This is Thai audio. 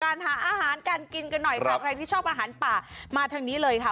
อาหารการกินกันหน่อยค่ะใครที่ชอบอาหารป่ามาทางนี้เลยค่ะ